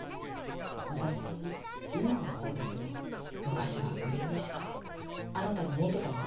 私今はこうだけど昔は初々しくてあなたに似てたのよ。